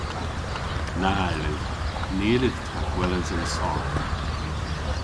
Na yllydh. Ny yllydh ta gweles an sarf.